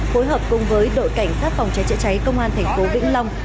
phối hợp cùng với đội cảnh sát phòng cháy chữa cháy công an thành phố vĩnh long